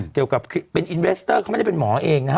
เกี่ยวกับเป็นอินเวสเตอร์เขาไม่ได้เป็นหมอเองนะฮะ